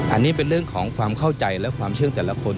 อันนี้เป็นเรื่องของความเข้าใจและความเชื่อแต่ละคน